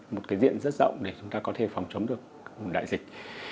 một cái diện rất rộng để chúng ta có thể phòng chống được đại dịch